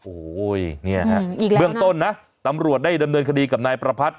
โอ้โหเนี่ยฮะเบื้องต้นนะตำรวจได้ดำเนินคดีกับนายประพัทธ